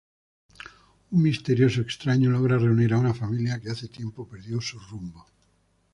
Un misterioso extraño logra reunir a una familia que hace tiempo perdió su rumbo.